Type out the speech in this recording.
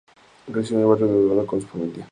Creció en el barrio El Dorado con su familia.